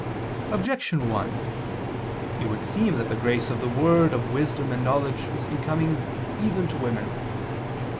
Objection 1: It would seem that the grace of the word of wisdom and knowledge is becoming even to women.